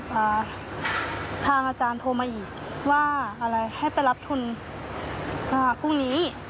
ทางอาจารย์โทรมาอีกว่าอะไรให้ไปรับทุนอ่าพรุ่งนี้